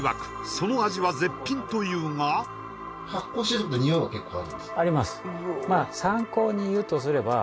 その味は絶品というがあります